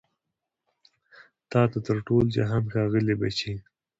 تا ته تر ټول جهان ښاغلي بچي